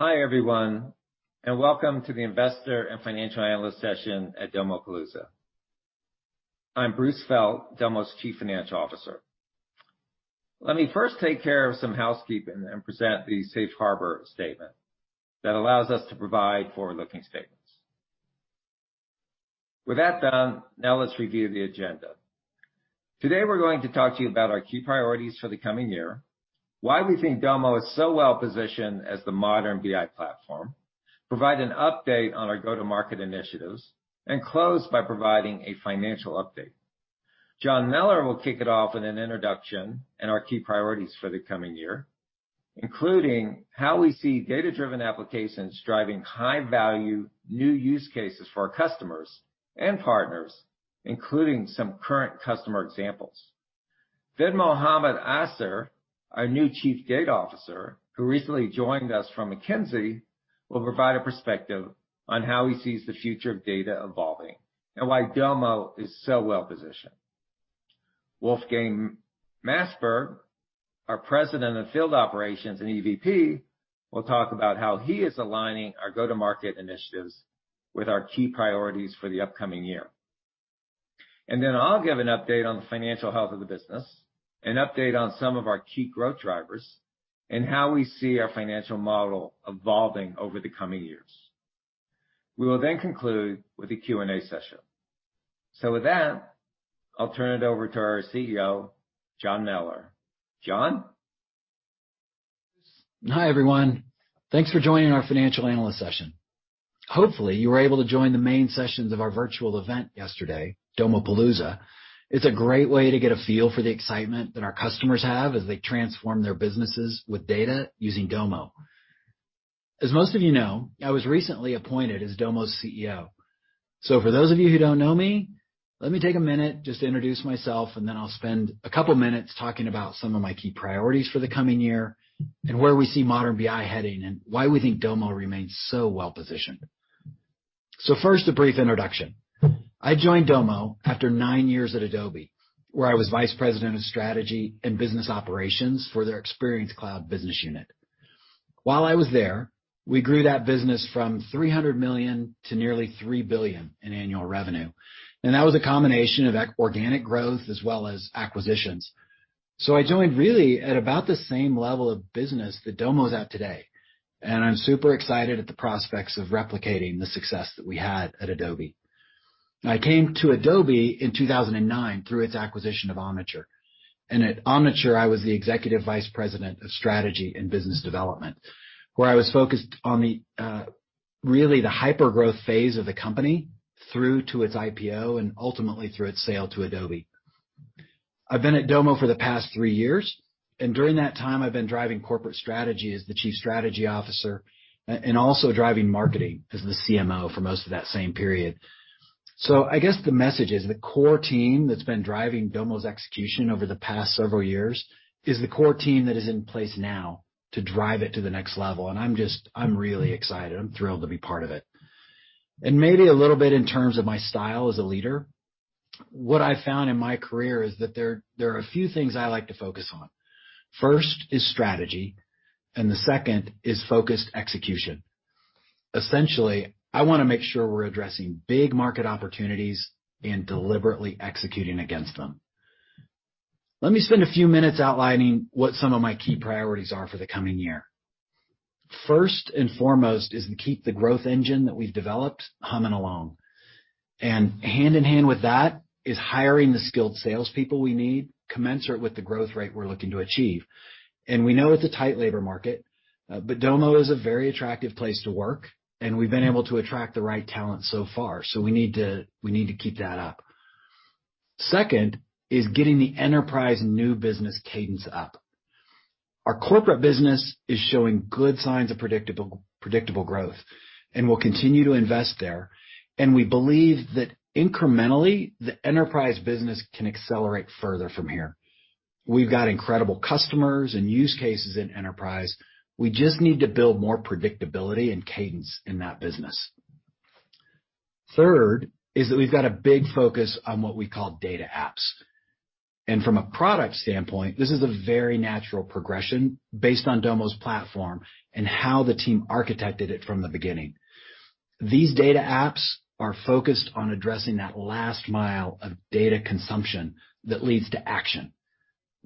Hi, everyone, and welcome to the Investor and Financial Analyst session at Domopalooza. I'm Bruce Felt, Domo's Chief Financial Officer. Let me first take care of some housekeeping and present the safe harbor statement that allows us to provide forward-looking statements. With that done, now let's review the agenda. Today, we're going to talk to you about our key priorities for the coming year, why we think Domo is so well-positioned as the modern BI platform, provide an update on our go-to-market initiatives, and close by providing a financial update. John Mellor will kick it off with an introduction and our key priorities for the coming year, including how we see data-driven applications driving high-value new use cases for our customers and partners, including some current customer examples. Mohammed Aaser, our new Chief Data Officer, who recently joined us from McKinsey, will provide a perspective on how he sees the future of data evolving and why Domo is so well-positioned. Wolfgang Maasberg, our President of Field Operations and EVP, will talk about how he is aligning our go-to-market initiatives with our key priorities for the upcoming year. I'll give an update on the financial health of the business, an update on some of our key growth drivers, and how we see our financial model evolving over the coming years. We will then conclude with the Q&A session. With that, I'll turn it over to our CEO, John Mellor. John? Hi, everyone. Thanks for joining our Financial Analyst Session. Hopefully, you were able to join the main sessions of our virtual event yesterday, Domopalooza. It's a great way to get a feel for the excitement that our customers have as they transform their businesses with data using Domo. As most of you know, I was recently appointed as Domo's CEO. For those of you who don't know me, let me take a minute just to introduce myself, and then I'll spend a couple minutes talking about some of my key priorities for the coming year and where we see modern BI heading and why we think Domo remains so well-positioned. First, a brief introduction. I joined Domo after nine years at Adobe, where I was Vice President of Strategy and Business Operations for their Digital Experience Business unit. While I was there, we grew that business from $300 million to nearly $3 billion in annual revenue. That was a combination of organic growth as well as acquisitions. I joined really at about the same level of business that Domo's at today, and I'm super excited at the prospects of replicating the success that we had at Adobe. I came to Adobe in 2009 through its acquisition of Omniture. At Omniture, I was the Executive Vice President of Strategy and Business Development, where I was focused on the really the hypergrowth phase of the company through to its IPO and ultimately through its sale to Adobe. I've been at Domo for the past three years, and during that time, I've been driving corporate strategy as the Chief Strategy Officer and also driving marketing as the CMO for most of that same period. I guess the message is the core team that's been driving Domo's execution over the past several years is the core team that is in place now to drive it to the next level. I'm just, I'm really excited. I'm thrilled to be part of it. Maybe a little bit in terms of my style as a leader, what I found in my career is that there are a few things I like to focus on. First is strategy, and the second is focused execution. Essentially, I wanna make sure we're addressing big market opportunities and deliberately executing against them. Let me spend a few minutes outlining what some of my key priorities are for the coming year. First and foremost is to keep the growth engine that we've developed humming along. Hand in hand with that is hiring the skilled salespeople we need commensurate with the growth rate we're looking to achieve. We know it's a tight labor market, but Domo is a very attractive place to work, and we've been able to attract the right talent so far. We need to keep that up. Second is getting the enterprise new business cadence up. Our corporate business is showing good signs of predictable growth, and we'll continue to invest there. We believe that incrementally, the enterprise business can accelerate further from here. We've got incredible customers and use cases in enterprise. We just need to build more predictability and cadence in that business. Third is that we've got a big focus on what we call Data Apps. From a product standpoint, this is a very natural progression based on Domo's platform and how the team architected it from the beginning. These Data Apps are focused on addressing that last mile of data consumption that leads to action.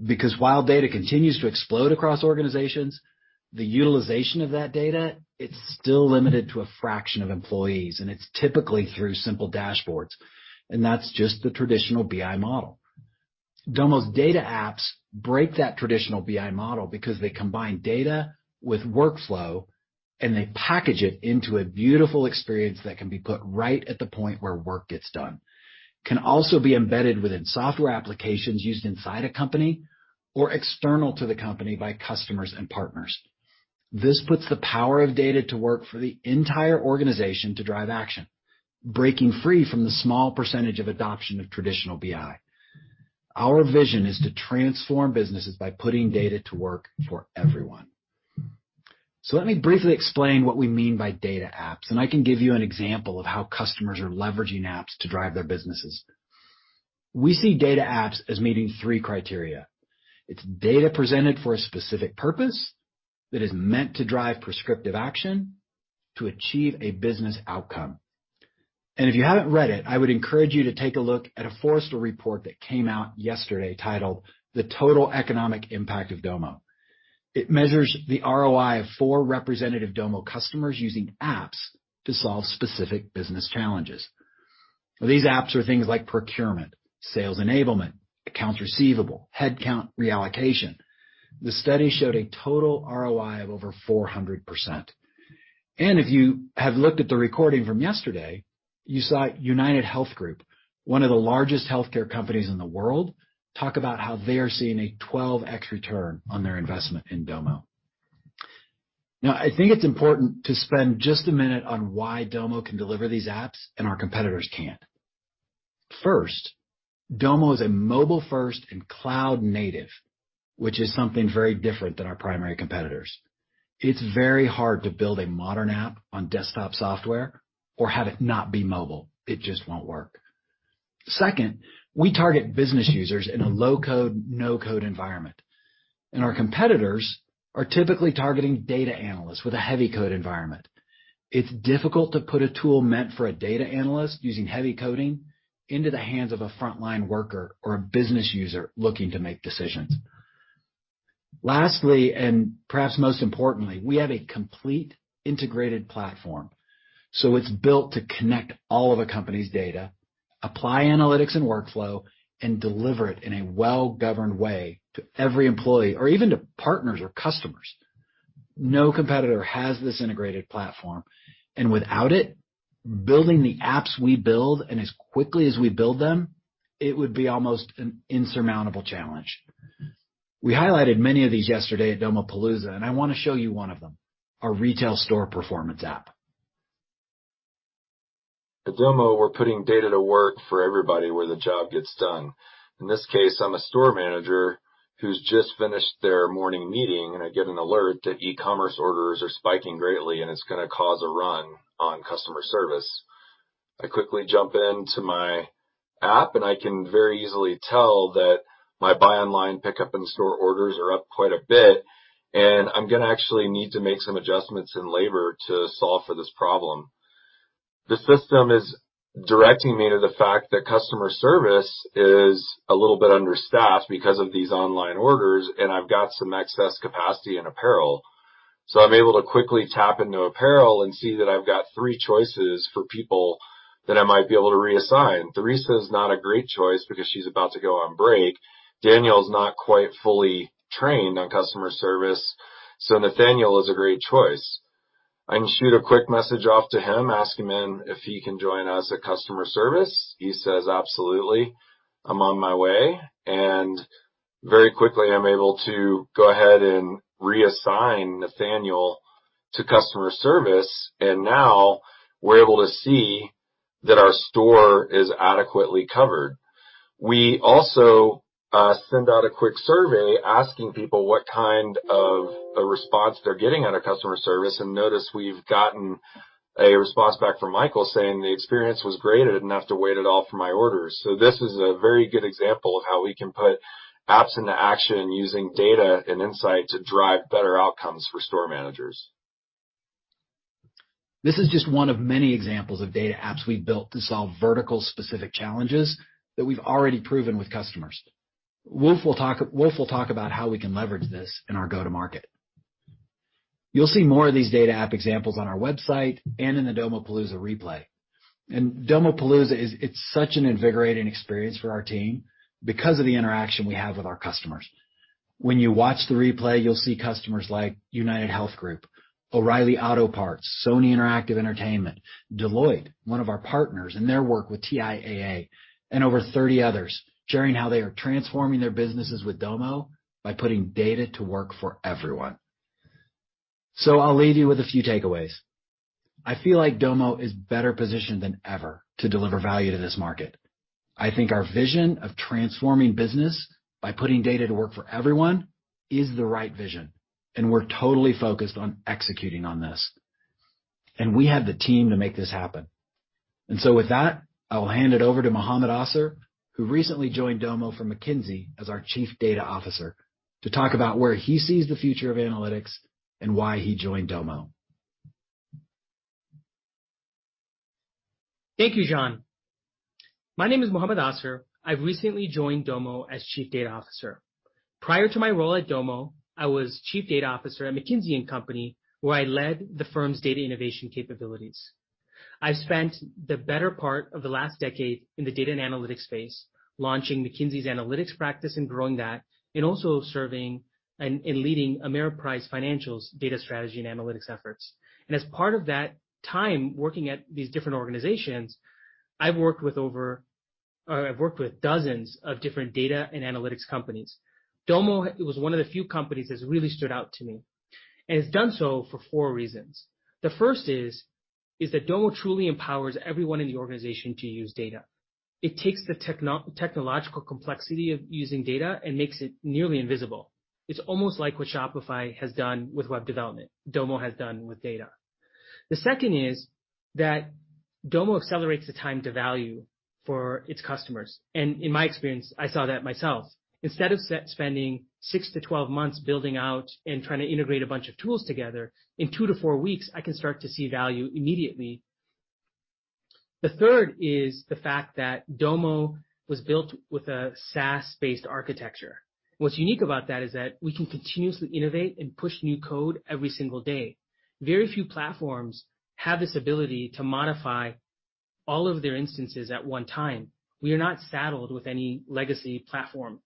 Because while data continues to explode across organizations, the utilization of that data, it's still limited to a fraction of employees, and it's typically through simple dashboards, and that's just the traditional BI model. Domo's Data Apps break that traditional BI model because they combine data with workflow, and they package it into a beautiful experience that can be put right at the point where work gets done, can also be embedded within software applications used inside a company or external to the company by customers and partners. This puts the power of data to work for the entire organization to drive action, breaking free from the small percentage of adoption of traditional BI. Our vision is to transform businesses by putting data to work for everyone. Let me briefly explain what we mean by Data Apps, and I can give you an example of how customers are leveraging apps to drive their businesses. We see Data Apps as meeting three criteria. Its data presented for a specific purpose that is meant to drive prescriptive action to achieve a business outcome. If you haven't read it, I would encourage you to take a look at a Forrester report that came out yesterday titled The Total Economic Impact of Domo. It measures the ROI of 4 representative Domo customers using apps to solve specific business challenges. These apps are things like procurement, sales enablement, accounts receivable, headcount reallocation. The study showed a total ROI of over 400%. If you have looked at the recording from yesterday, you saw UnitedHealth Group, one of the largest healthcare companies in the world, talk about how they are seeing a 12x return on their investment in Domo. Now, I think it's important to spend just a minute on why Domo can deliver these apps and our competitors can't. First, Domo is a mobile first and cloud native, which is something very different than our primary competitors. It's very hard to build a modern app on desktop software or have it not be mobile. It just won't work. Second, we target business users in a low-code, no-code environment, and our competitors are typically targeting data analysts with a heavy code environment. It's difficult to put a tool meant for a data analyst using heavy coding into the hands of a frontline worker or a business user looking to make decisions. Lastly, and perhaps most importantly, we have a complete integrated platform, so it's built to connect all of a company's data, apply analytics and workflow, and deliver it in a well-governed way to every employee or even to partners or customers. No competitor has this integrated platform, and without it, building the apps we build and as quickly as we build them, it would be almost an insurmountable challenge. We highlighted many of these yesterday at Domopalooza, and I want to show you one of them, our retail store performance app. At Domo, we're putting data to work for everybody where the job gets done. In this case, I'm a Store Manager who's just finished their morning meeting, and I get an alert that e-commerce orders are spiking greatly, and it's going to cause a run on customer service. I quickly jump into my app, and I can very easily tell that my buy online pickup and store orders are up quite a bit, and I'm going to actually need to make some adjustments in labor to solve for this problem. The system is directing me to the fact that customer service is a little bit understaffed because of these online orders, and I've got some excess capacity in apparel. I'm able to quickly tap into apparel and see that I've got three choices for people that I might be able to reassign. Theresa is not a great choice because she's about to go on break. Daniel's not quite fully trained on customer service, so Nathaniel is a great choice. I can shoot a quick message off to him, ask him in if he can join us at customer service. He says, "Absolutely. I'm on my way." Very quickly I'm able to go ahead and reassign Nathaniel to customer service. Now we're able to see that our store is adequately covered. We also send out a quick survey asking people what kind of a response they're getting out of customer service. Notice we've gotten a response back from Michael saying the experience was great. I didn't have to wait at all for my orders. This is a very good example of how we can put apps into action using data and insight to drive better outcomes for store managers. This is just one of many examples of Data Apps we've built to solve vertical specific challenges that we've already proven with customers. Wolf will talk about how we can leverage this in our go-to-market. You'll see more of these Data Apps examples on our website and in the Domopalooza replay. Domopalooza is such an invigorating experience for our team because of the interaction we have with our customers. When you watch the replay, you'll see customers like UnitedHealth Group, O'Reilly Auto Parts, Sony Interactive Entertainment, Deloitte, one of our partners, and their work with TIAA, and over 30 others sharing how they are transforming their businesses with Domo by putting data to work for everyone. I'll leave you with a few takeaways. I feel like Domo is better positioned than ever to deliver value to this market. I think our vision of transforming business by putting data to work for everyone is the right vision, and we're totally focused on executing on this. We have the team to make this happen. With that, I will hand it over to Mohammed Aaser, who recently joined Domo from McKinsey as our Chief Data Officer, to talk about where he sees the future of analytics and why he joined Domo. Thank you, John. My name is Mohammed Aaser. I've recently joined Domo as Chief Data Officer. Prior to my role at Domo, I was Chief Data Officer at McKinsey & Company, where I led the firm's data innovation capabilities. I've spent the better part of the last decade in the data and analytics space, launching McKinsey's analytics practice and growing that, and also serving and leading Ameriprise Financial's data strategy and analytics efforts. As part of that time working at these different organizations, I've worked with dozens of different data and analytics companies. Domo was one of the few companies that's really stood out to me, and it's done so for four reasons. The first is that Domo truly empowers everyone in the organization to use data. It takes the technological complexity of using data and makes it nearly invisible. It's almost like what Shopify has done with web development, Domo has done with data. The second is that Domo accelerates the time to value for its customers. In my experience, I saw that myself. Instead of spending six to 12 months building out and trying to integrate a bunch of tools together, in two to four weeks, I can start to see value immediately. The third is the fact that Domo was built with a SaaS-based architecture. What's unique about that is that we can continuously innovate and push new code every single day. Very few platforms have this ability to modify all of their instances at one time. We are not saddled with any legacy platforms.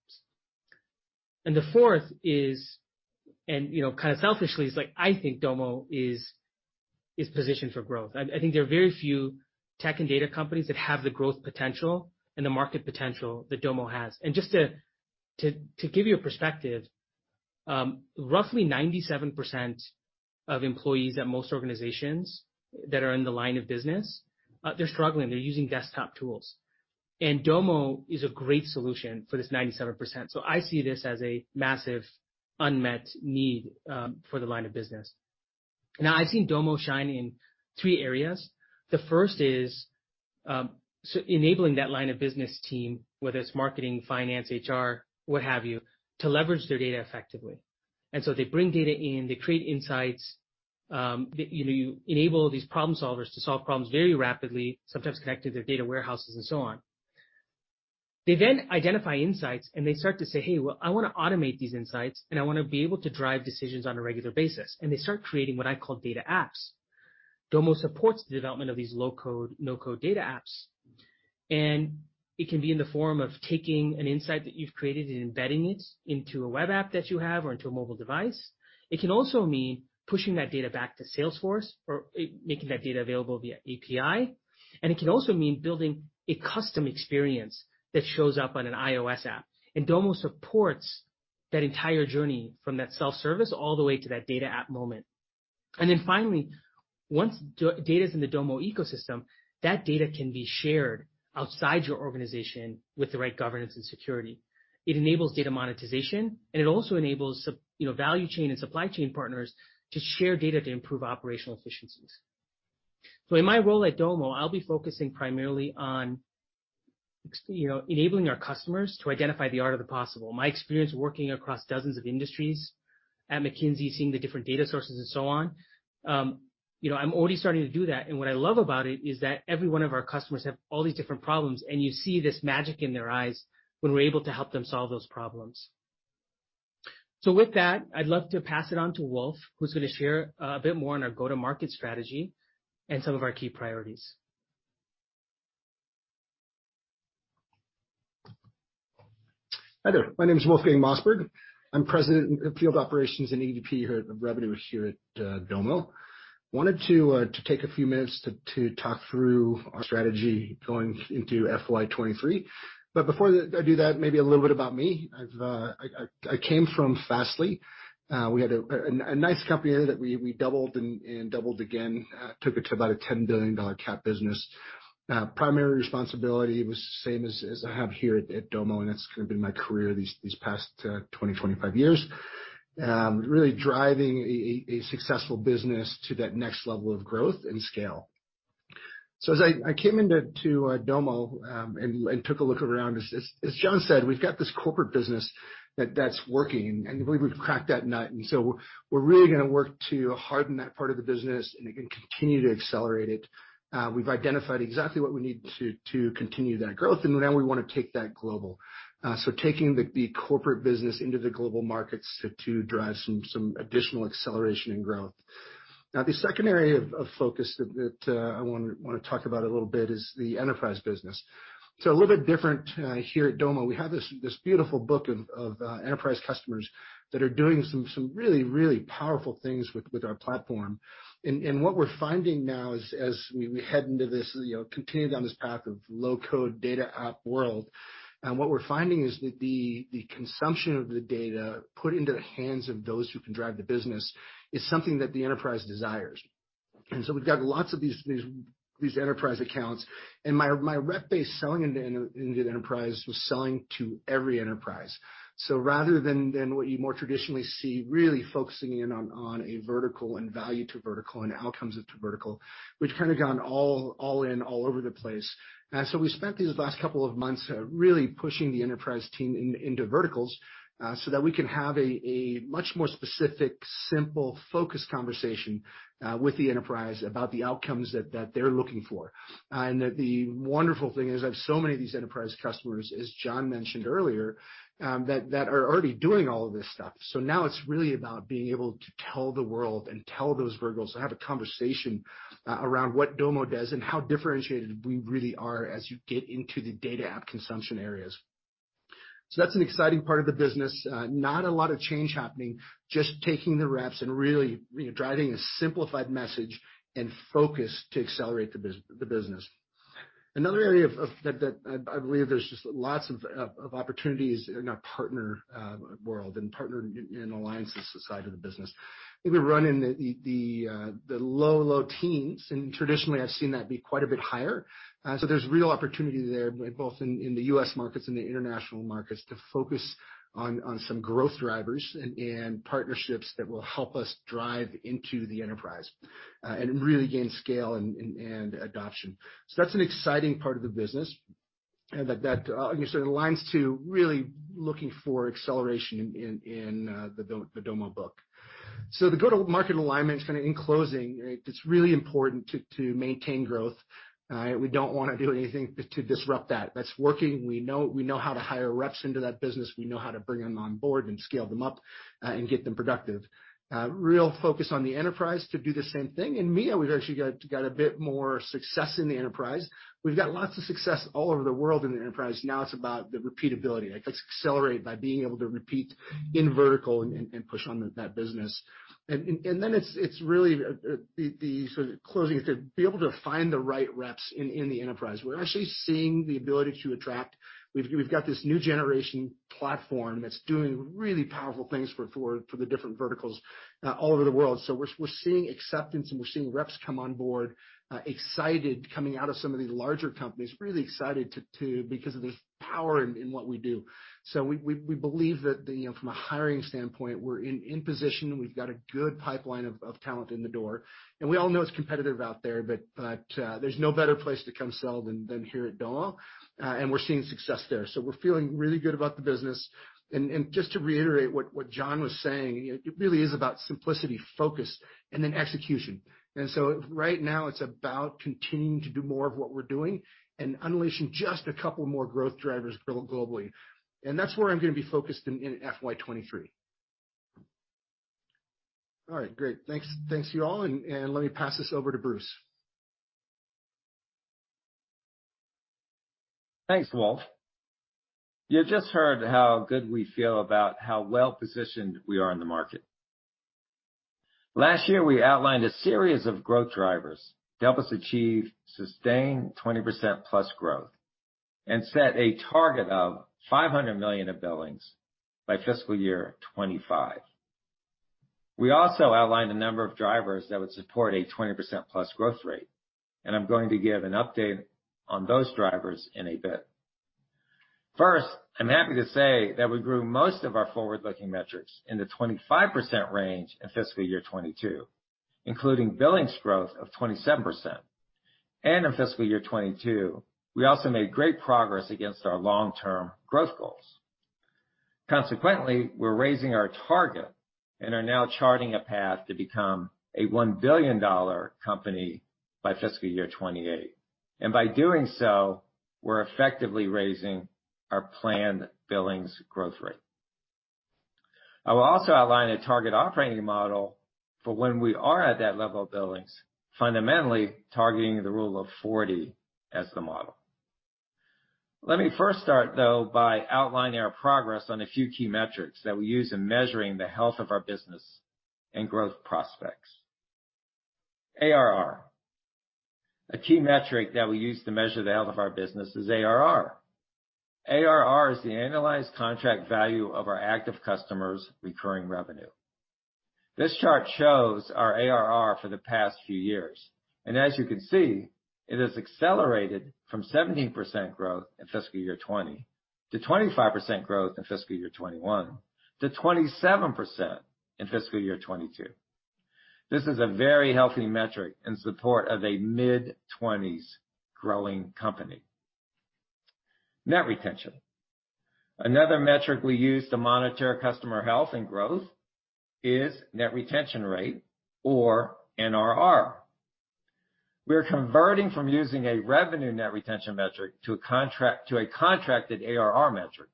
The fourth is, you know, kind of selfishly is like I think Domo is positioned for growth. I think there are very few tech and data companies that have the growth potential and the market potential that Domo has. Just to give you a perspective, roughly 97% of employees at most organizations that are in the line of business, they're struggling. They're using desktop tools. Domo is a great solution for this 97%. I see this as a massive unmet need for the line of business. Now, I've seen Domo shine in three areas. The first is so enabling that line of business team, whether it's marketing, finance, HR, what have you, to leverage their data effectively. They bring data in, they create insights. You know, you enable these problem solvers to solve problems very rapidly, sometimes connect to their data warehouses and so on. They then identify insights, and they start to say, "Hey, well, I wanna automate these insights, and I wanna be able to drive decisions on a regular basis." They start creating what I call Data Apps. Domo supports the development of these low-code, no-code Data Apps. It can be in the form of taking an insight that you've created and embedding it into a web app that you have or into a mobile device. It can also mean pushing that data back to Salesforce or making that data available via API. It can also mean building a custom experience that shows up on an iOS app. Domo supports that entire journey from that self-service all the way to that Data App moment. Finally, once data's in the Domo ecosystem, that data can be shared outside your organization with the right governance and security. It enables data monetization, and it also enables you know, value chain and supply chain partners to share data to improve operational efficiencies. In my role at Domo, I'll be focusing primarily on you know, enabling our customers to identify the art of the possible. My experience working across dozens of industries at McKinsey, seeing the different data sources and so on, you know, I'm already starting to do that. What I love about it is that every one of our customers have all these different problems, and you see this magic in their eyes when we're able to help them solve those problems. With that, I'd love to pass it on to Wolf, who's gonna share a bit more on our go-to-market strategy and some of our key priorities. Hi there. My name is Wolfgang Maasberg. I'm President of Revenue and Field Operations and EVP here at Domo. I wanted to take a few minutes to talk through our strategy going into FY 2023. Before I do that, maybe a little bit about me. I came from Fastly. We had a nice company that we doubled and doubled again, took it to about a $10 billion cap business. Primary responsibility was the same as I have here at Domo, and it's kinda been my career the past 25 years. Really driving a successful business to that next level of growth and scale. As I came into Domo and took a look around, as John said, we've got this corporate business that's working, and we've cracked that nut. We're really gonna work to harden that part of the business, and again, continue to accelerate it. We've identified exactly what we need to continue that growth, and now we wanna take that global. Taking the corporate business into the global markets to drive some additional acceleration and growth. Now, the second area of focus that I wanna talk about a little bit is the enterprise business. A little bit different here at Domo. We have this beautiful book of enterprise customers that are doing some really powerful things with our platform. What we're finding now is as we head into this, you know, continue down this path of low-code data app world, what we're finding is that the consumption of the data put into the hands of those who can drive the business is something that the enterprise desires. We've got lots of these enterprise accounts. My rep base selling into the enterprise was selling to every enterprise. Rather than what you more traditionally see, really focusing in on a vertical and value to vertical and outcomes into vertical, we've kind of gone all in all over the place. We spent these last couple of months really pushing the enterprise team into verticals so that we can have a much more specific, simple, focused conversation with the enterprise about the outcomes that they're looking for. The wonderful thing is I have so many of these enterprise customers, as John mentioned earlier, that are already doing all of this stuff. Now it's really about being able to tell the world and tell those verticals to have a conversation around what Domo does and how differentiated we really are as you get into the Data App consumption areas. That's an exciting part of the business. Not a lot of change happening, just taking the reps and really, you know, driving a simplified message and focus to accelerate the business. Another area that I believe there's just lots of opportunities in our partner world and partner and alliances side of the business. I think we run in the low teens, and traditionally, I've seen that be quite a bit higher. So there's real opportunity there, both in the U.S. markets and the international markets to focus on some growth drivers and partnerships that will help us drive into the enterprise and really gain scale and adoption. So that's an exciting part of the business. I guess it aligns to really looking for acceleration in the Domo book. So the go-to-market alignment is kinda in closing, right? It's really important to maintain growth, we don't wanna do anything but to disrupt that. That's working. We know how to hire reps into that business. We know how to bring them on board and scale them up and get them productive. Real focus on the enterprise to do the same thing. In EMEA, we've actually got a bit more success in the enterprise. We've got lots of success all over the world in the enterprise. Now it's about the repeatability. Let's accelerate by being able to repeat in vertical and push on that business. It's really the sort of closing is to be able to find the right reps in the enterprise. We're actually seeing the ability to attract. We've got this new generation platform that's doing really powerful things for the different verticals all over the world. We're seeing acceptance, and we're seeing reps come on board, excited coming out of some of these larger companies, really excited because of the power in what we do. We believe that, you know, from a hiring standpoint, we're in position. We've got a good pipeline of talent in the door, and we all know it's competitive out there, but there's no better place to come sell than here at Domo, and we're seeing success there. We're feeling really good about the business. Just to reiterate what John was saying, you know, it really is about simplicity, focus, and then execution. Right now, it's about continuing to do more of what we're doing and unleashing just a couple more growth drivers globally. That's where I'm gonna be focused in FY 2023. All right. Great. Thanks. Thank you all, and let me pass this over to Bruce. Thanks, Wolf. You just heard how good we feel about how well-positioned we are in the market. Last year, we outlined a series of growth drivers to help us achieve sustained 20%+ growth and set a target of $500 million of billings by FY 2025. We also outlined a number of drivers that would support a 20%+ growth rate, and I'm going to give an update on those drivers in a bit. First, I'm happy to say that we grew most of our forward-looking metrics in the 25% range in FY 2022, including billings growth of 27%. In FY 2022, we also made great progress against our long-term growth goals. Consequently, we're raising our target and are now charting a path to become a $1-billion company by FY 2028. By doing so, we're effectively raising our planned billings growth rate. I will also outline a target operating model for when we are at that level of billings, fundamentally targeting the Rule of 40 as the model. Let me first start, though, by outlining our progress on a few key metrics that we use in measuring the health of our business and growth prospects. ARR. A key metric that we use to measure the health of our business is ARR. ARR is the annualized contract value of our active customers' recurring revenue. This chart shows our ARR for the past few years, and as you can see, it has accelerated from 17% growth in fiscal year 2020, to 25% growth in fiscal year 2021, to 27% growth in fiscal year 2022. This is a very healthy metric in support of a mid-twenties growing company. Net retention. Another metric we use to monitor customer health and growth is net retention rate or NRR. We are converting from using a revenue net retention metric to a contracted ARR metric.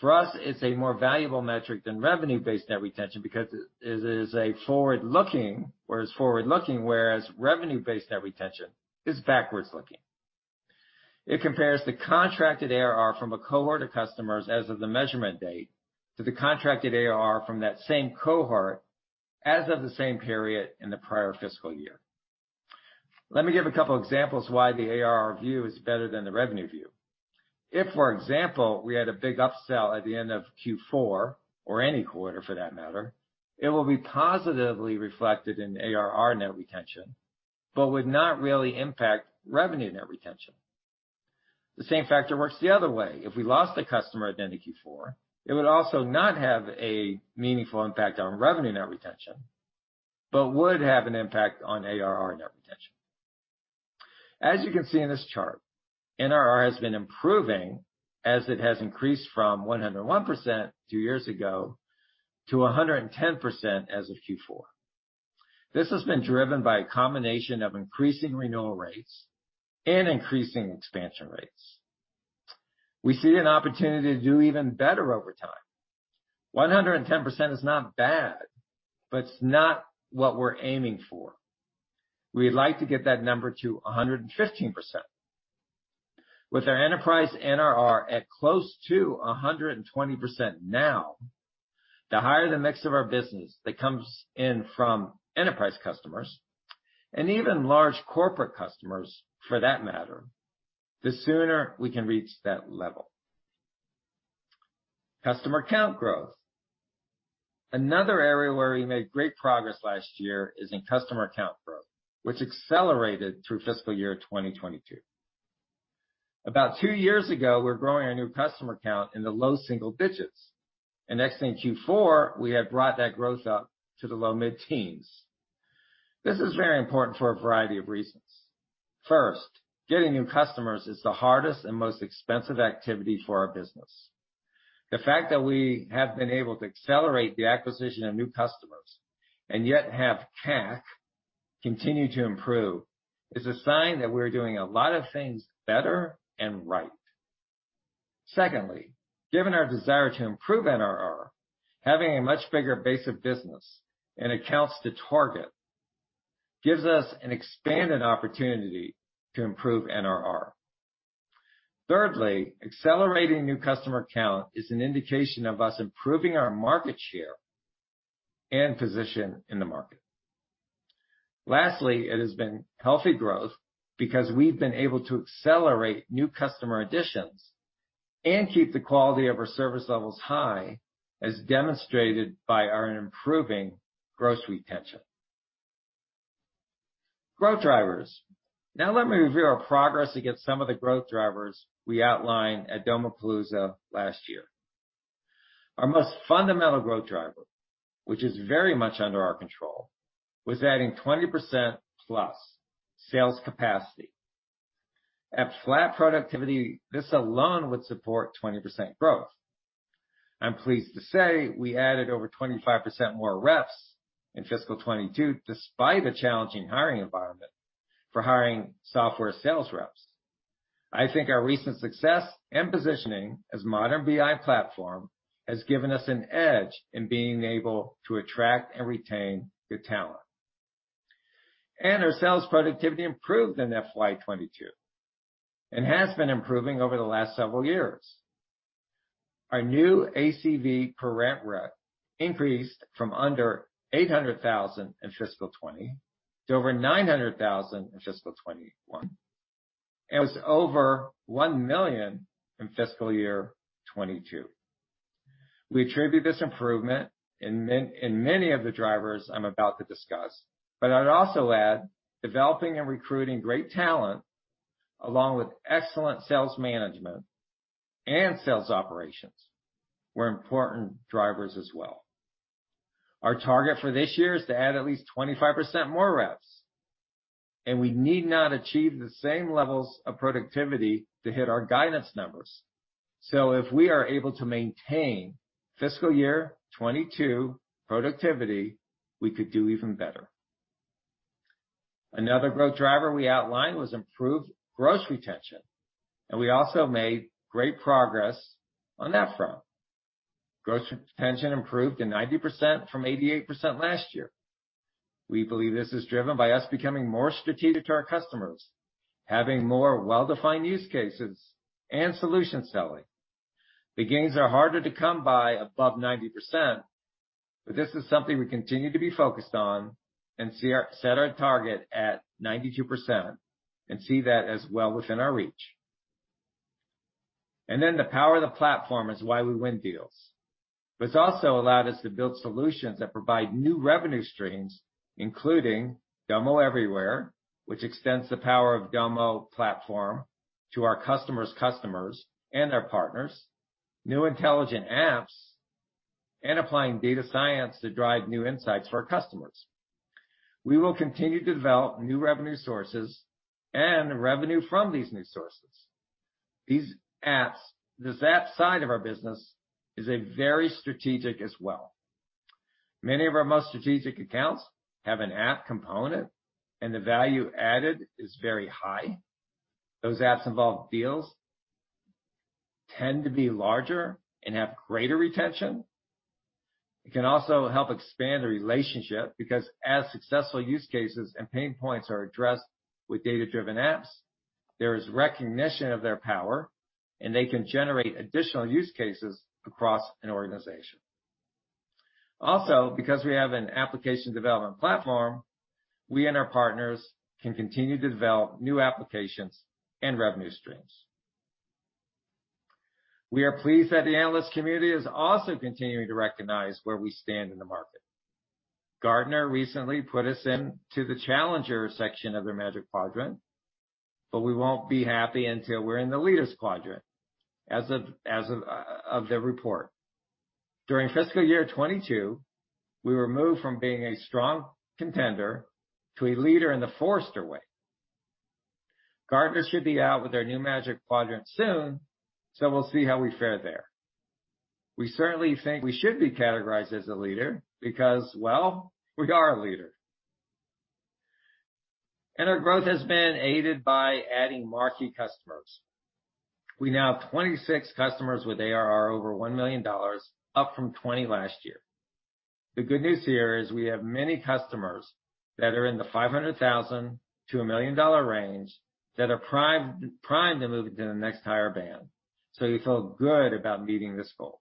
For us, it's a more valuable metric than revenue-based net retention because it is forward-looking, whereas revenue-based net retention is backward-looking. It compares the contracted ARR from a cohort of customers as of the measurement date to the contracted ARR from that same cohort as of the same period in the prior fiscal year. Let me give a couple examples why the ARR view is better than the revenue view. If, for example, we had a big upsell at the end of Q4, or any quarter for that matter, it will be positively reflected in ARR net retention, but would not really impact revenue net retention. The same factor works the other way. If we lost a customer at the end of Q4, it would also not have a meaningful impact on revenue net retention but would have an impact on ARR net retention. As you can see in this chart, NRR has been improving as it has increased from 101% two years ago to 110% as of Q4. This has been driven by a combination of increasing renewal rates and increasing expansion rates. We see an opportunity to do even better over time. 110% is not bad, but it's not what we're aiming for. We'd like to get that number to 115%. With our enterprise NRR at close to 120% now, the higher the mix of our business that comes in from enterprise customers, and even large corporate customers for that matter, the sooner we can reach that level. Customer count growth. Another area where we made great progress last year is in customer count growth, which accelerated through fiscal year 2022. About two years ago, we were growing our new customer count in the low single digits, and exiting Q4, we had brought that growth up to the low mid-teens. This is very important for a variety of reasons. First, getting new customers is the hardest and most expensive activity for our business. The fact that we have been able to accelerate the acquisition of new customers and yet have CAC continue to improve is a sign that we're doing a lot of things better and right. Secondly, given our desire to improve NRR, having a much bigger base of business and accounts to target gives us an expanded opportunity to improve NRR. Thirdly, accelerating new customer count is an indication of us improving our market share and position in the market. Lastly, it has been healthy growth because we've been able to accelerate new customer additions and keep the quality of our service levels high, as demonstrated by our improving gross retention. Growth drivers. Now let me review our progress against some of the growth drivers we outlined at Domopalooza last year. Our most fundamental growth driver, which is very much under our control, was adding 20%+ sales capacity. At flat productivity, this alone would support 20% growth. I'm pleased to say we added over 25% more reps in FY 2022, despite a challenging hiring environment for hiring software sales reps. I think our recent success and positioning as modern BI platform has given us an edge in being able to attract and retain good talent. Our sales productivity improved in FY 2022, and has been improving over the last several years. Our new ACV per rep increased from under $800,000 in fiscal 2020 to over $900,000 in fiscal 2021. It was over $1 million in fiscal year 2022. We attribute this improvement in many of the drivers I'm about to discuss, but I'd also add developing and recruiting great talent along with excellent sales management and sales operations were important drivers as well. Our target for this year is to add at least 25% more reps, and we need not achieve the same levels of productivity to hit our guidance numbers. If we are able to maintain fiscal year 2022 productivity, we could do even better. Another growth driver we outlined was improved gross retention, and we also made great progress on that front. Gross retention improved to 90% from 88% last year. We believe this is driven by us becoming more strategic to our customers, having more well-defined use cases and solution selling. Big gains are harder to come by above 90%, but this is something we continue to be focused on and set our target at 92% and see that as well within our reach. The power of the platform is why we win deals. It's also allowed us to build solutions that provide new revenue streams, including Domo Everywhere, which extends the power of Domo platform to our customers' customers and their partners, new intelligent apps, and applying data science to drive new insights for our customers. We will continue to develop new revenue sources and revenue from these new sources. These apps, the apps side of our business, is a very strategic as well. Many of our most strategic accounts have an app component, and the value added is very high. Those apps involve deals, tend to be larger, and have greater retention. It can also help expand the relationship because as successful use cases and pain points are addressed with data-driven apps, there is recognition of their power, and they can generate additional use cases across an organization. Also, because we have an application development platform, we and our partners can continue to develop new applications and revenue streams. We are pleased that the analyst community is also continuing to recognize where we stand in the market. Gartner recently put us into the challenger section of their Magic Quadrant, but we won't be happy until we're in the Leaders quadrant as of their report. During fiscal year 2022, we were moved from being a strong contender to a leader in the Forrester Wave. Gartner should be out with their new Magic Quadrant soon, so we'll see how we fare there. We certainly think we should be categorized as a leader because, well, we are a leader. Our growth has been aided by adding marquee customers. We now have 26 customers with ARR over $1 million, up from 20 last year. The good news here is we have many customers that are in the $500,000-$1 million range that are primed to move into the next higher band. We feel good about meeting this goal.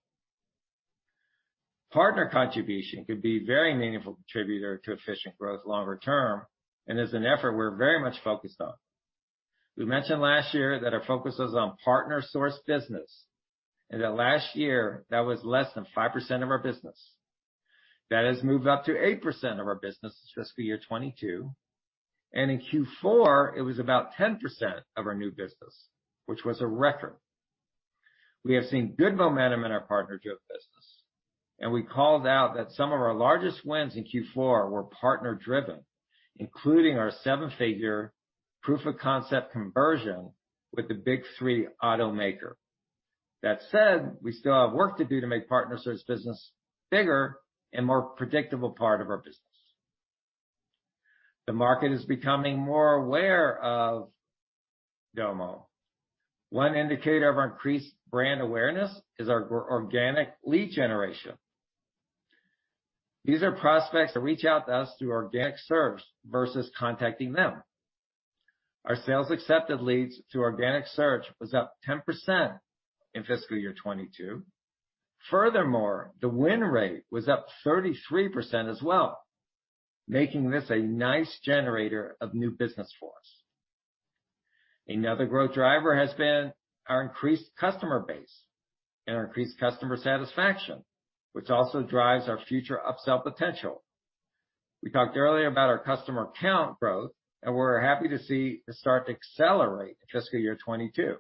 Partner contribution could be very meaningful contributor to efficient growth longer term, and is an effort we're very much focused on. We mentioned last year that our focus is on partner-sourced business, and that last year that was less than 5% of our business. That has moved up to 8% of our business in fiscal year 2022, and in Q4, it was about 10% of our new business, which was a record. We have seen good momentum in our partnership business, and we called out that some of our largest wins in Q4 were partner-driven, including our seven-figure proof of concept conversion with the big three automaker. That said, we still have work to do to make partner source business bigger and more predictable part of our business. The market is becoming more aware of Domo. One indicator of our increased brand awareness is our organic lead generation. These are prospects that reach out to us through organic search versus contacting them. Our sales accepted leads through organic search was up 10% in fiscal year 2022. Furthermore, the win rate was up 33% as well, making this a nice generator of new business for us. Another growth driver has been our increased customer base and our increased customer satisfaction, which also drives our future upsell potential. We talked earlier about our customer count growth, and we're happy to see it start to accelerate in fiscal year 2022.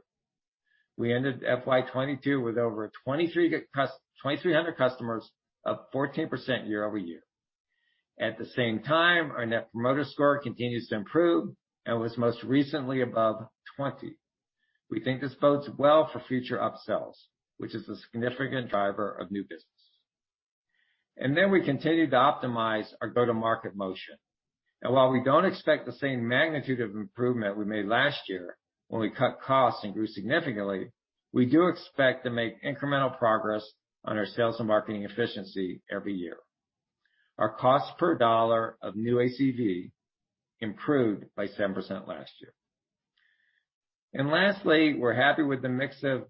We ended FY 2022 with over 2,300 customers, up 14% year-over-year. At the same time, our Net Promoter Score continues to improve and was most recently above 20%. We think this bodes well for future upsells, which is a significant driver of new business. Then we continue to optimize our go-to-market motion. While we don't expect the same magnitude of improvement we made last year when we cut costs and grew significantly, we do expect to make incremental progress on our sales and marketing efficiency every year. Our cost per dollar of new ACV improved by 7% last year. Lastly, we're happy with the mix of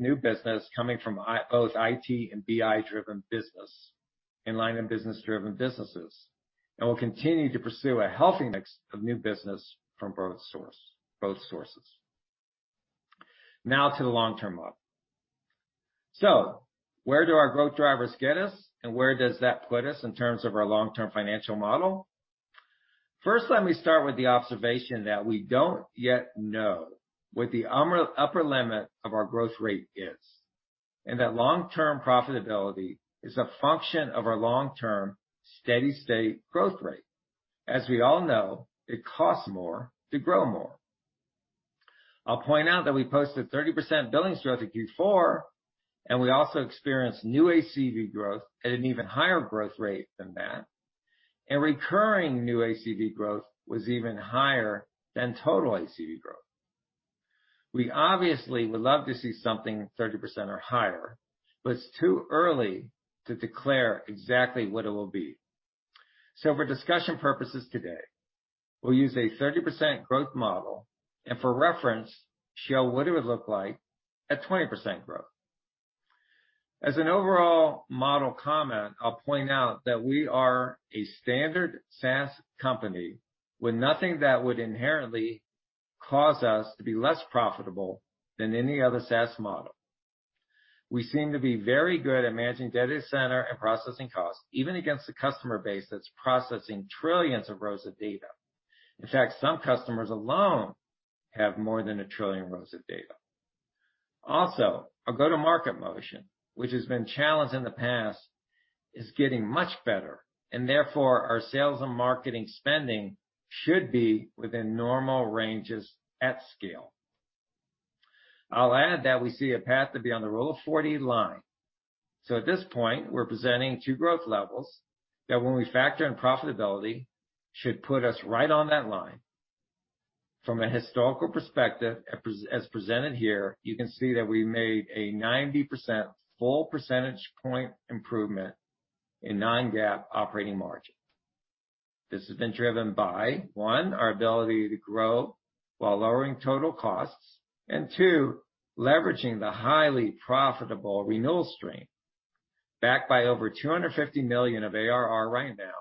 new business coming from both IT and BI-driven business in line of business-driven businesses, and we'll continue to pursue a healthy mix of new business from both sources. Now to the long-term model. Where do our growth drivers get us, and where does that put us in terms of our long-term financial model? First, let me start with the observation that we don't yet know what the upper limit of our growth rate is, and that long-term profitability is a function of our long-term steady-state growth rate. As we all know, it costs more to grow more. I'll point out that we posted 30% billings growth in Q4, and we also experienced new ACV growth at an even higher growth rate than that. Recurring new ACV growth was even higher than total ACV growth. We obviously would love to see something 30% or higher, but it's too early to declare exactly what it will be. For discussion purposes today, we'll use a 30% growth model, and for reference, show what it would look like at 20% growth. As an overall model comment, I'll point out that we are a standard SaaS company with nothing that would inherently cause us to be less profitable than any other SaaS model. We seem to be very good at managing data center and processing costs, even against a customer base that's processing trillions of rows of data. In fact, some customers alone have more than a trillion rows of data. Also, our go-to-market motion, which has been challenged in the past, is getting much better, and therefore, our sales and marketing spending should be within normal ranges at scale. I'll add that we see a path to be on the Rule of 40 line. At this point, we're presenting two growth levels that, when we factor in profitability, should put us right on that line. From a historical perspective, as presented here, you can see that we made a 90 percentage point improvement in non-GAAP operating margin. This has been driven by, one, our ability to grow while lowering total costs. Two, leveraging the highly profitable renewal stream, backed by over $250 million of ARR right now,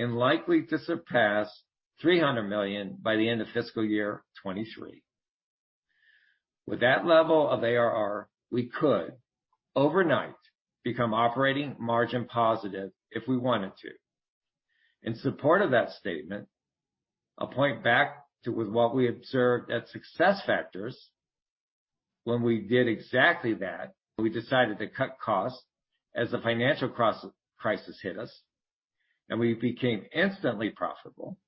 and likely to surpass $300 million by the end of fiscal year 2023. With that level of ARR, we could overnight become operating margin positive if we wanted to. In support of that statement, I'll point back to what we observed at SuccessFactors when we did exactly that, when we decided to cut costs as the financial crisis hit us, and we became instantly profitable.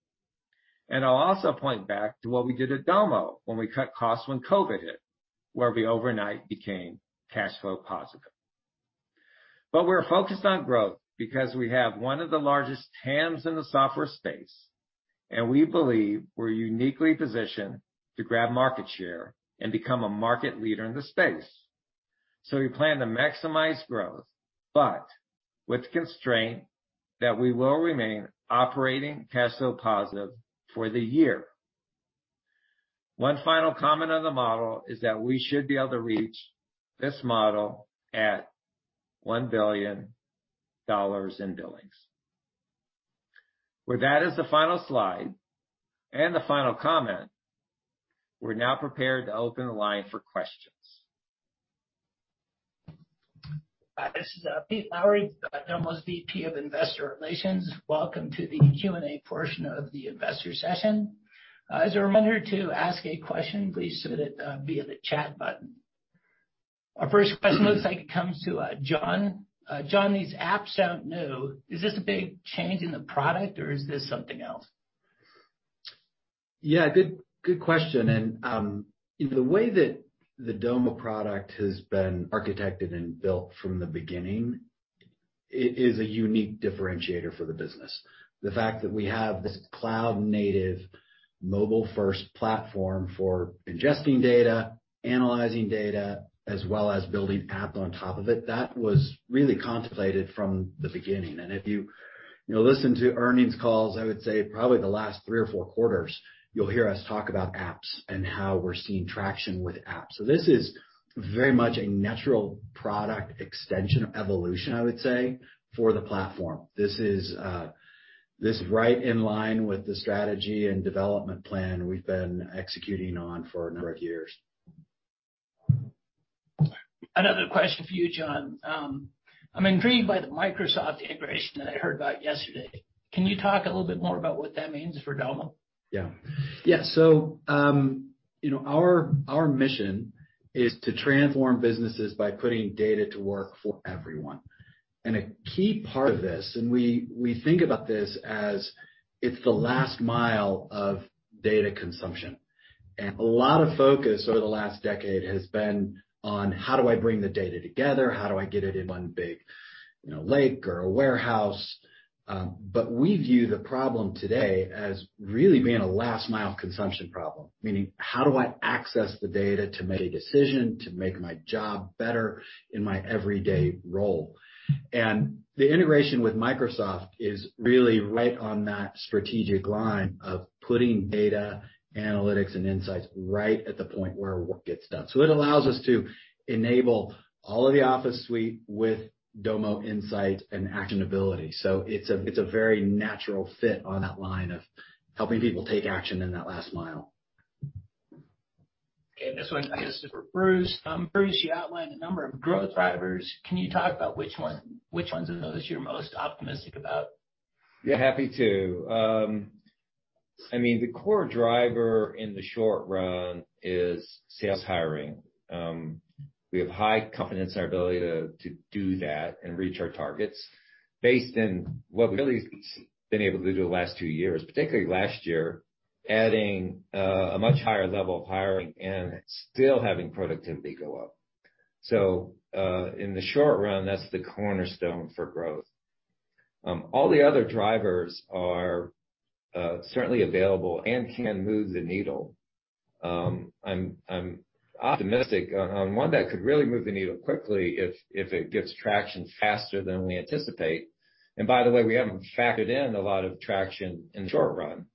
I'll also point back to what we did at Domo when we cut costs when COVID hit, where we overnight became cash flow positive. We're focused on growth because we have one of the largest TAMs in the software space, and we believe we're uniquely positioned to grab market share and become a market leader in the space. We plan to maximize growth, but with the constraint that we will remain operating cash flow positive for the year. One final comment on the model is that we should be able to reach this model at $1 billion in billings. With that as the final slide and the final comment, we're now prepared to open the line for questions. Hi, this is Peter Lowry. I'm Domo's VP of Investor Relations. Welcome to the Q&A portion of the investor session. As a reminder, to ask a question, please submit it via the chat button. Our first question looks like it comes to John. John, these apps sound new. Is this a big change in the product, or is this something else? Yeah, good question. The way that the Domo product has been architected and built from the beginning is a unique differentiator for the business. The fact that we have this cloud-native, mobile-first platform for ingesting data, analyzing data, as well as building apps on top of it, that was really contemplated from the beginning. If you know, listen to earnings calls, I would say probably the last three or four quarters, you'll hear us talk about apps and how we're seeing traction with apps. This is very much a natural product extension evolution, I would say, for the platform. This is right in line with the strategy and development plan we've been executing on for a number of years. Another question for you, John. I'm intrigued by the Microsoft integration that I heard about yesterday. Can you talk a little bit more about what that means for Domo? Yeah. You know, our mission is to transform businesses by putting data to work for everyone. A key part of this, we think about this as it's the last mile of data consumption. A lot of focus over the last decade has been on how do I bring the data together, how do I get it in one big, you know, lake or a warehouse. We view the problem today as really being a last mile consumption problem. Meaning how do I access the data to make a decision, to make my job better in my everyday role? The integration with Microsoft is really right on that strategic line of putting data analytics and insights right at the point where work gets done. It allows us to enable all of the Office suite with Domo insight and actionability. It's a very natural fit on that line of helping people take action in that last mile. Okay. This one I guess is for Bruce. Bruce, you outlined a number of growth drivers. Can you talk about which ones of those you're most optimistic about? Yeah, happy to. I mean, the core driver in the short run is sales hiring. We have high confidence in our ability to do that and reach our targets based on what we've really been able to do the last two years, particularly last year, adding a much higher level of hiring and still having productivity go up. In the short run, that's the cornerstone for growth. All the other drivers are certainly available and can move the needle. I'm optimistic on one that could really move the needle quickly if it gets traction faster than we anticipate, and by the way, we haven't factored in a lot of traction in the short run,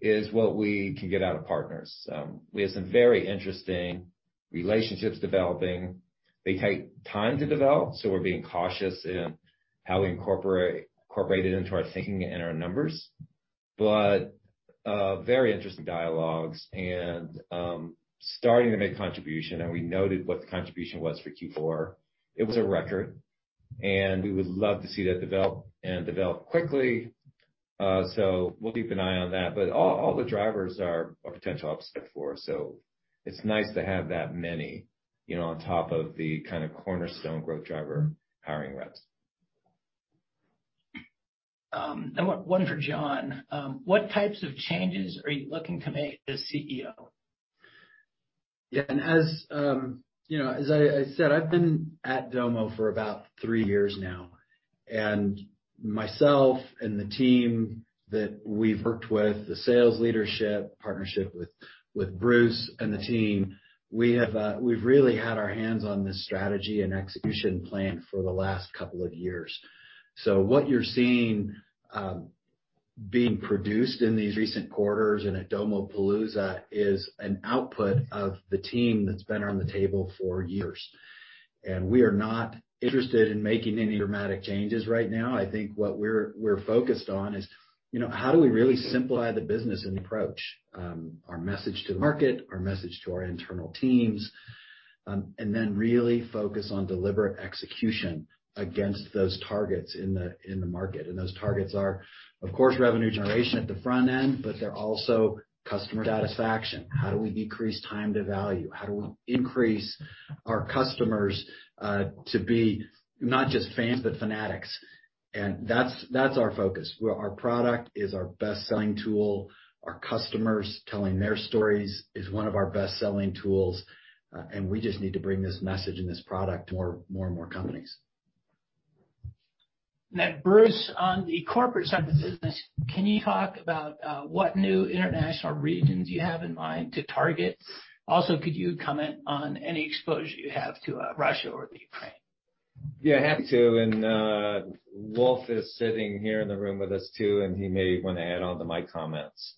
is what we can get out of partners. We have some very interesting relationships developing. They take time to develop, so we're being cautious in how we incorporate it into our thinking and our numbers. Very interesting dialogues and starting to make contribution. We noted what the contribution was for Q4. It was a record, and we would love to see that develop quickly. We'll keep an eye on that. All the drivers are a potential upside for. It's nice to have that many, you know, on top of the kinda cornerstone growth driver, hiring reps. One for John. What types of changes are you looking to make as CEO? As you know, as I said, I've been at Domo for about three years now. Myself and the team that we've worked with, the sales leadership, partnership with Bruce and the team, we've really had our hands on this strategy and execution plan for the last couple of years. What you're seeing being produced in these recent quarters and at Domopalooza is an output of the team that's been around the table for years. We are not interested in making any dramatic changes right now. I think what we're focused on is, you know, how do we really simplify the business and approach our message to the market, our message to our internal teams, and then really focus on deliberate execution against those targets in the market. Those targets are, of course, revenue generation at the front end, but they're also customer satisfaction. How do we decrease time to value? How do we increase our customers to be not just fans, but fanatics? That's our focus. Our product is our best-selling tool. Our customers telling their stories is one of our best-selling tools. We just need to bring this message and this product to more and more companies. Now, Bruce, on the corporate side of the business, can you talk about what new international regions you have in mind to target? Also, could you comment on any exposure you have to Russia or the Ukraine? Happy to. Wolf is sitting here in the room with us too, and he may wanna add on to my comments.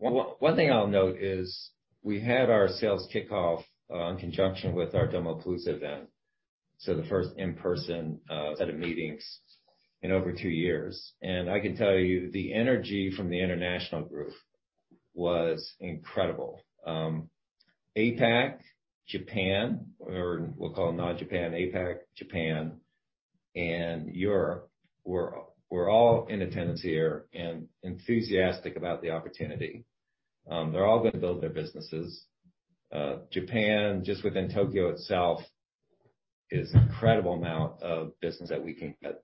One thing I'll note is we had our sales kickoff in conjunction with our Domopalooza event, so the first in-person set of meetings in over two years. I can tell you the energy from the international group was incredible. APAC Japan, or we'll call them Non-Japan APAC, Japan, and Europe were all in attendance here and enthusiastic about the opportunity. They're all gonna build their businesses. Japan, just within Tokyo itself, is an incredible amount of business that we can get,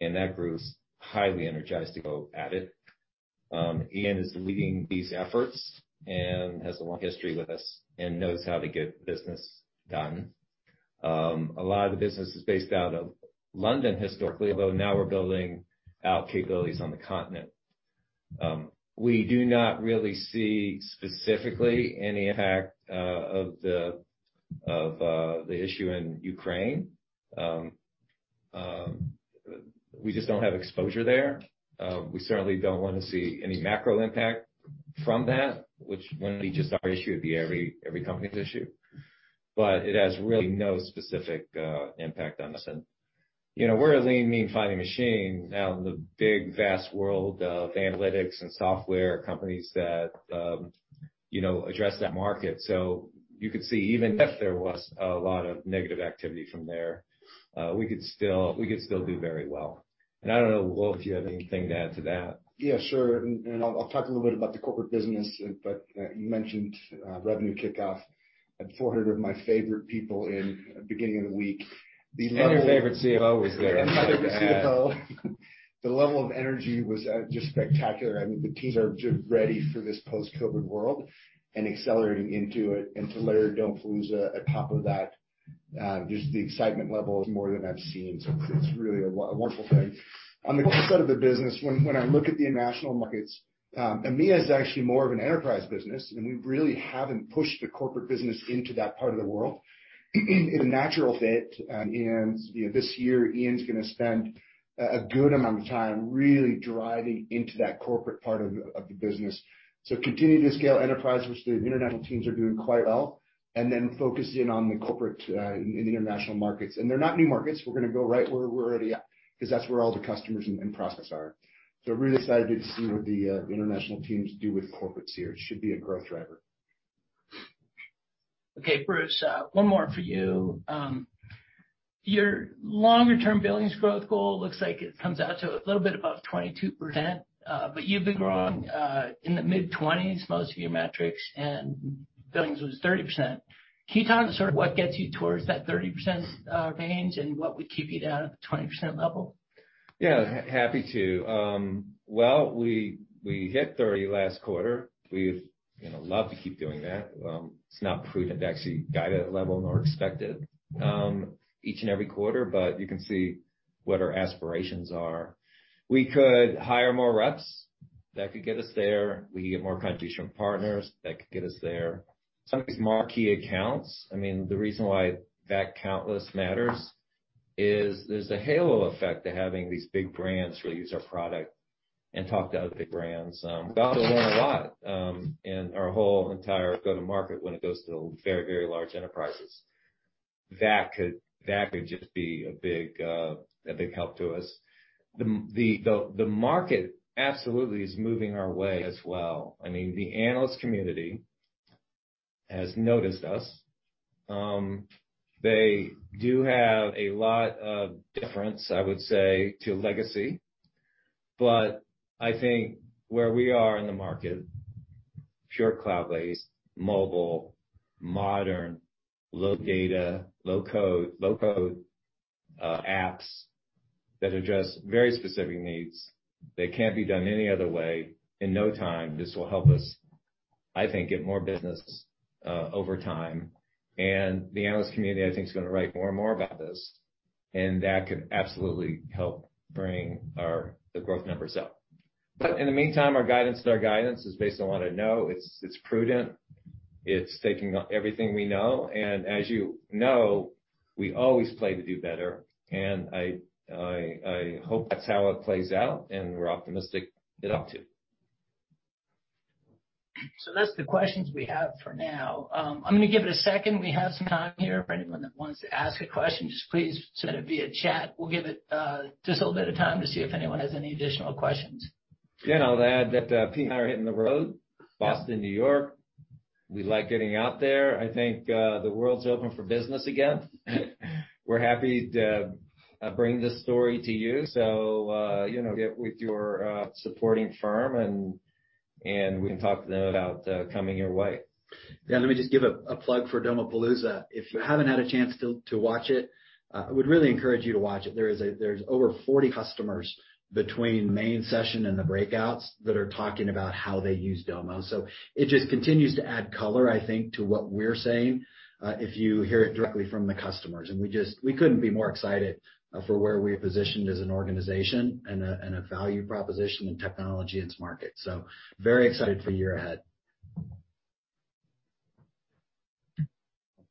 and that group's highly energized to go at it. Ian is leading these efforts and has a long history with us and knows how to get business done. A lot of the business is based out of London historically, although now we're building out capabilities on the continent. We do not really see specifically any impact of the issue in Ukraine. We just don't have exposure there. We certainly don't wanna see any macro impact from that, which wouldn't be just our issue, it'd be every company's issue. It has really no specific impact on us. You know, we're a lean, mean fighting machine out in the big, vast world of analytics and software companies that, you know, address that market. You could see even if there was a lot of negative activity from there, we could still do very well. I don't know, Wolf, if you have anything to add to that. Yeah, sure. I'll talk a little bit about the corporate business, but you mentioned revenue kickoff. Had 400 of my favorite people in beginning of the week. The level- Your favorite CFO was there. My favorite CFO. The level of energy was just spectacular. I mean, the teams are just ready for this post-COVID world and accelerating into it. To layer Domopalooza on top of that, just the excitement level is more than I've seen, so it's really a wonderful thing. On the corporate side of the business, when I look at the international markets, EMEA is actually more of an enterprise business, and we really haven't pushed the corporate business into that part of the world in a natural fit. You know, this year Ian's gonna spend a good amount of time really driving into that corporate part of the business. Continue to scale enterprise, which the international teams are doing quite well, and then focus in on the corporate in the international markets. They're not new markets. We're gonna go right where we're already at 'cause that's where all the customers and process are. Really excited to see what the international teams do with corporates here. It should be a growth driver. Okay. Bruce, one more for you. Your longer-term billings growth goal looks like it comes out to a little bit above 22%. But you've been growing in the mid-20s, most of your metrics and billings was 30%. Can you talk sort of what gets you towards that 30% range, and what would keep you down at the 20% level? Yeah. Happy to. Well, we hit 30% last quarter. We'd, you know, love to keep doing that. It's not prudent to actually guide at a level nor expected each and every quarter, but you can see what our aspirations are. We could hire more reps. That could get us there. We could get more contribution partners. That could get us there. Some of these marquee accounts, I mean, the reason why that count list matters is there's a halo effect to having these big brands really use our product and talk to other big brands. We also learn a lot in our whole entire go-to-market when it goes to very, very large enterprises. That could just be a big help to us. The market absolutely is moving our way as well. I mean, the analyst community has noticed us. They do have a lot of difference, I would say, to legacy, but I think where we are in the market, pure cloud-based, mobile, modern, low data, low-code, apps that address very specific needs that can't be done any other way in no time, this will help us, I think, get more business over time. The analyst community, I think, is gonna write more and more about this, and that could absolutely help bring our, the growth numbers up. In the meantime, our guidance is our guidance. It's based on what I know. It's prudent. It's taking everything we know, and as you know, we always plan to do better. I hope that's how it plays out, and we're optimistic it'll do. That's the questions we have for now. I'm gonna give it a second. We have some time here for anyone that wants to ask a question. Just please send it via chat. We'll give it, just a little bit of time to see if anyone has any additional questions. Yeah. I'll add that, Pete and I are hitting the road. Yeah. Boston, New York. We like getting out there. I think the world's open for business again. We're happy to bring this story to you. You know, get with your supporting firm and we can talk to them about coming your way. Yeah. Let me just give a plug for Domopalooza. If you haven't had a chance to watch it, I would really encourage you to watch it. There's over 40 customers between the main session and the breakouts that are talking about how they use Domo. It just continues to add color, I think, to what we're saying if you hear it directly from the customers. We couldn't be more excited for where we're positioned as an organization and a value proposition and technology in this market. Very excited for the year ahead.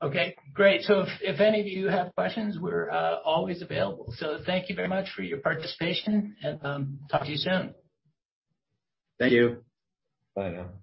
Okay, great. If any of you have questions, we're always available. Thank you very much for your participation and talk to you soon. Thank you. Bye now.